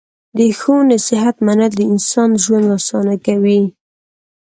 د ښو نصیحت منل د انسان ژوند اسانه کوي.